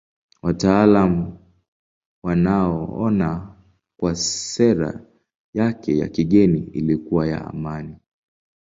Wataalamu wanaona kwamba sera yake ya kigeni ilikuwa ya amani.